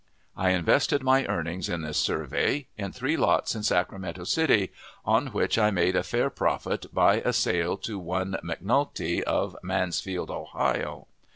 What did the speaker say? I invested my earnings in this survey in three lots in Sacramento City, on which I made a fair profit by a sale to one McNulty, of Mansfield, Ohio.